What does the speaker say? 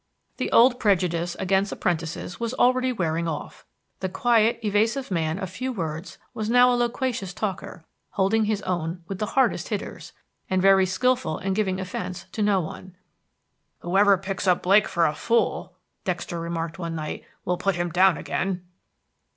The old prejudice against apprentices was already wearing off. The quiet, evasive man of few words was now a loquacious talker, holding his own with the hardest hitters, and very skillful in giving offense to no one. "Whoever picks up Blake for a fool," Dexter remarked one night, "will put him down again."